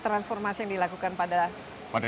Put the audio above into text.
transformasi yang dilakukan pada